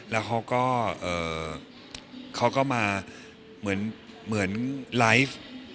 แล้วเขาก็มาเหมือนไลฟ์